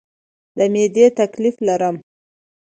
د معدې تکلیف لرم